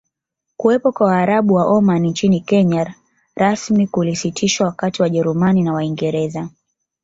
Kuwepo kwa Waarabu wa Omani nchini Kenya rasmi kulisitishwa wakati Wajerumani na Waingereza